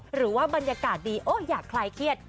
หรือว่าบรรยากาศดีโออย่าคลายเครียด